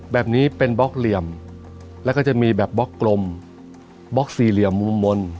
แบบนี้เป็นบล็อกเหลี่ยมแล้วก็จะมีแบบบล็อกกลมบล็อกสี่เหลี่ยมมุมมนต์